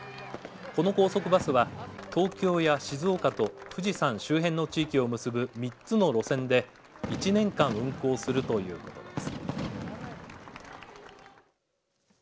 この高速バスは東京や静岡と富士山周辺の地域を結ぶ３つの路線で１年間運行するということです。